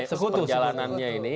atau sejauh mana